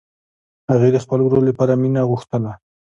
هغې د خپل ورور لپاره مینه غوښتله